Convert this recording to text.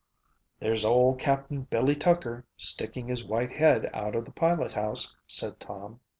"There's old Capt. Billy Tucker sticking his white head out of the pilot house," said Tom.